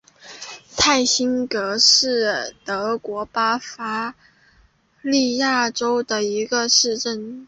泰辛格是德国巴伐利亚州的一个市镇。